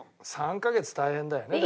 ３カ月大変だよね。